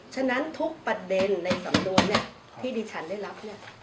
ฉะนั้นทุกประเด็นในสำนวนที่ดิฉันได้รับ